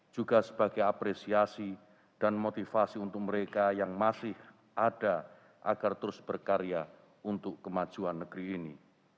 juga sebagai apresiasi dan motivasi untuk mereka yang masih ada agar terus berkarya untuk kemajuan negeri ini